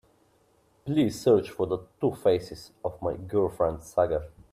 Please search for the Two Faces of My Girlfriend saga.